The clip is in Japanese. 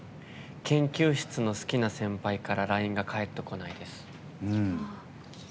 研究室の好きな先輩からＬＩＮＥが返ってこないです。